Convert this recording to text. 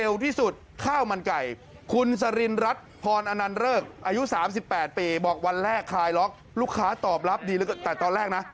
ลูกค้าตอบรับดีแต่ตอนแรกนะ